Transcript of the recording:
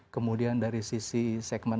kemudian dari sisi segmen